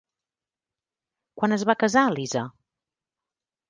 Quan es va casar Lisa?